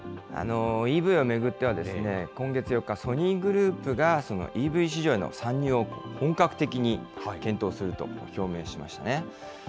ＥＶを巡ってはですね、今月４日、ソニーグループがＥＶ市場への参入を本格的に検討すると表明しましたね。